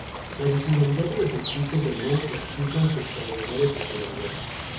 La originalidad de los escritos de More explican su extraordinaria popularidad.